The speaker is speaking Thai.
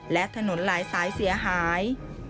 และถนนหลายสายเสียหาย